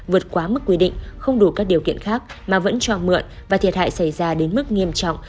vượt quá mức quy định không đủ các điều kiện khác mà vẫn cho mượn và thiệt hại xảy ra đến mức nghiêm trọng